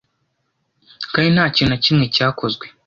Kandi nta kintu na kimwe cyakozwe